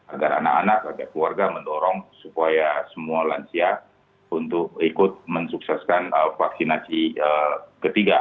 agar anak anak agar keluarga mendorong supaya semua lansia untuk ikut mensukseskan vaksinasi ketiga